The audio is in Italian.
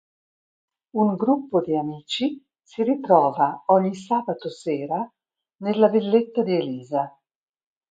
Un gruppo di amici si ritrova ogni sabato sera nella villetta di Elisa.